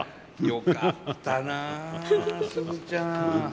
よかったなスズちゃん。